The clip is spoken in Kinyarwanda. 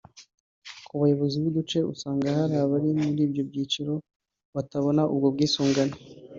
Ku bayobozi b’ubuduce usanga hari abari muri ibyo byiciro batabona ubwo bwisungane